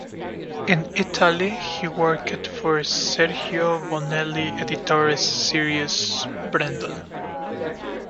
In Italy, he worked for Sergio Bonelli Editore's series "Brendon".